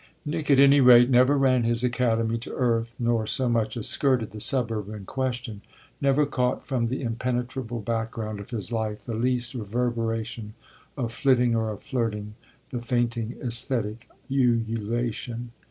Nick at any rate never ran his academy to earth nor so much as skirted the suburb in question; never caught from the impenetrable background of his life the least reverberation of flitting or of flirting, the fainting esthetic ululation.